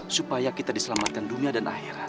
supaya kita diselamatkan dunia dan akhir